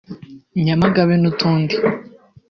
Nyamagabe n’utundi